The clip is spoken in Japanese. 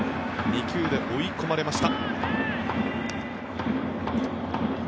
２球で追い込まれました。